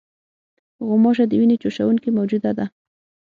غوماشه د وینې چوشوونکې موجوده ده.